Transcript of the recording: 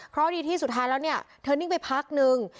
เพราะดีที่สุดท้ายแล้วเนี่ยเธอนิ่งไปพักนึง